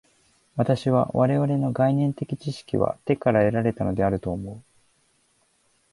私は我々の概念的知識は手から得られたのであると思う。